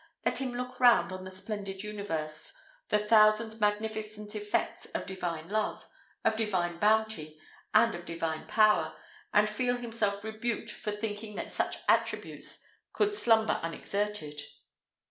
let him look round on the splendid universe, the thousand magnificent effects of divine love, of divine bounty, and of divine power, and feel himself rebuked for thinking that such attributes could slumber unexerted."